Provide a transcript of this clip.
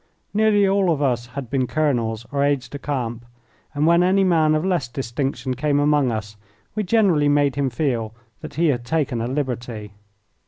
Nearly all of us had been colonels or aides de camp, and when any man of less distinction came among us we generally made him feel that he had taken a liberty.